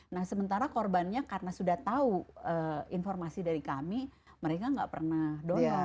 nah sementara korbannya karena sudah tahu informasi dari kami mereka nggak pernah donor